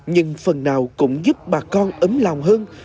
nhưng phần nào cũng giúp bà con ấm lòng hơn